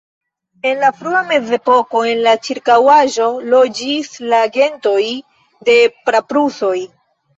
En la frua Mezepoko en la ĉirkaŭaĵo loĝis la gentoj de praprusoj.